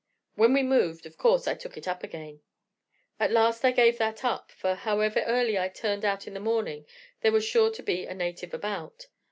When we moved, of course, I took it up again. At last I gave that up, for however early I turned out in the morning there was sure to be a native about.